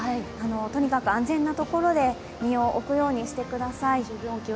とにかく安全なところに身を置くようにしてください。